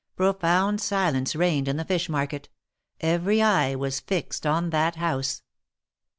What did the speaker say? Profound silence reigned in the fish market; every eye was fixed on that house.